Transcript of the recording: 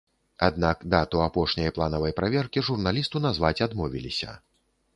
Аднак дату апошняй планавай праверкі журналісту назваць адмовіліся.